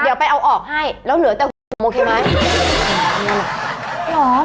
เดี๋ยวไปเอาออกให้แล้วเหลือแต่หัวผมโอเคไหม